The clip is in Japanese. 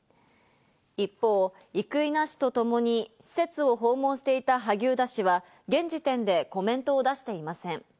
一方、生稲氏とともに施設を訪問していた萩生田氏は現時点でコメントを出していません。